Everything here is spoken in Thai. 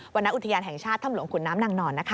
วรรณอุทยานแห่งชาติถ้ำหลวงขุนน้ำนางนอนนะคะ